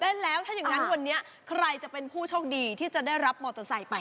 เล่นแล้วถ้าอย่างนั้นวันนี้ใครจะเป็นผู้โชคดีที่จะได้รับมอเตอร์ไซค์ไป